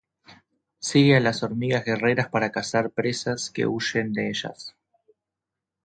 Sigue a las hormigas guerreras para cazar presas que huyen de ellas.